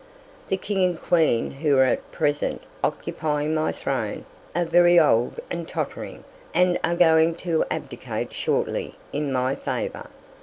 The king and queen who are at present occupying my throne are very old and tottering, and are going to abdicate shortly in my favor.